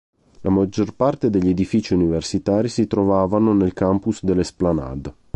La maggior parte degli edifici universitari si trovavano nel campus dell'Esplanade.